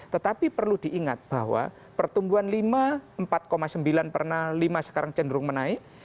tetapi perlu diingat bahwa pertumbuhan lima empat sembilan pernah lima sekarang cenderung menaik